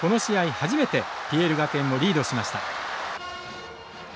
初めてＰＬ学園をリードしました。